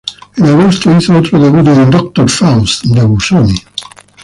En agosto hizo otro debut en "Doktor Faust" de Busoni.